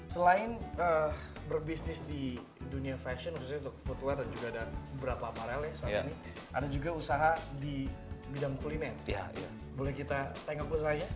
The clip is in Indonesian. selain berbisnis di dunia fashion khususnya untuk foodware dan juga ada beberapa parel ya saat ini ada juga usaha di bidang kuliner boleh kita tengok usahanya